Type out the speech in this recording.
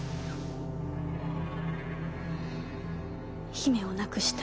姫を亡くした